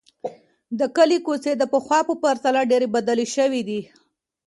د کلي کوڅې د پخوا په پرتله ډېرې بدلې شوې دي.